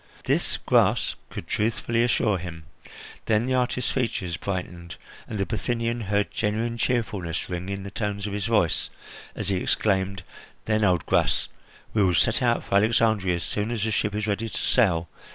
This Gras could truthfully assure him. Then the artist's features brightened, and the Bithynian heard genuine cheerfulness ring in the tones of his voice as he exclaimed: "Then, old Gras, we will set out for Alexandria as soon as the ship is ready to sail.